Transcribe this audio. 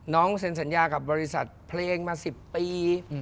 เซ็นสัญญากับบริษัทเพลงมา๑๐ปี